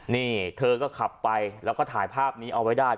นี่เธอก็ขับไปแล้วก็ถ่ายภาพนี้เอาไว้ได้